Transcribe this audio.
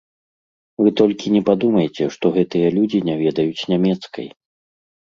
Вы толькі не падумайце, што гэтыя людзі не ведаюць нямецкай.